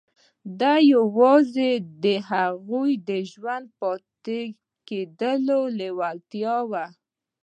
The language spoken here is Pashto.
دا يوازې د هغه د ژوندي پاتې کېدو لېوالتیا وه.